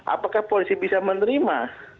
apakah polisi bisa menerima